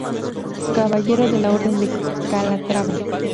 Caballero de la Orden de Calatrava.